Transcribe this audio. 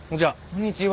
こんにちは。